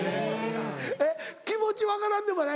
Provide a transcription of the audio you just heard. えっ気持ち分からんでもない？